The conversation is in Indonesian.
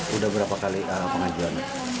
sudah berapa kali pengajuan